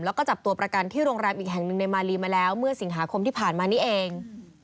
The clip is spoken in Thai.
แล้วก็จับตัวประกันที่โรงแรมอีกแห่งหนึ่งในมาลีมาแล้วเมื่อสิงหาคมที่ผ่านมานี้เอง